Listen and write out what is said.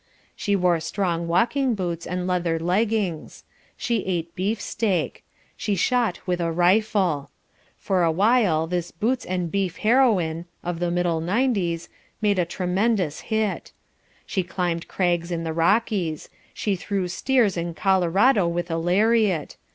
She wore strong walking boots and leather leggings. She ate beef steak. She shot with a rifle. For a while this Boots and Beef Heroine (of the middle nineties) made a tremendous hit. She climbed crags in the Rockies. She threw steers in Colorado with a lariat.